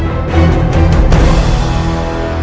aku akan menemui dia